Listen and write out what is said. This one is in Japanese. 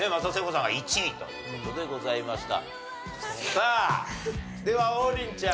さあでは王林ちゃん。